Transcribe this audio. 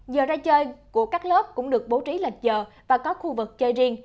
giờ ra chơi của các lớp cũng được bố trí lệch giờ và có khu vực chơi riêng